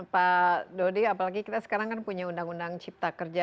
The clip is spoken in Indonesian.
pak dodi apalagi kita sekarang kan punya undang undang cipta kerja